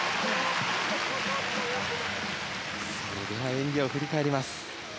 演技を振り返ります。